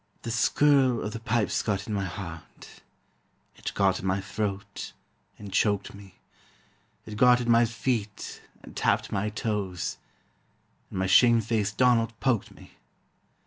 But the skirl o' the pipes got in my heart, It got in my throat and choked me, It got in my feet, and tapped my toes, And my shame faced Donald poked me.